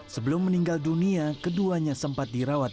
sebelum meninggal dunia keduanya sempat dirawat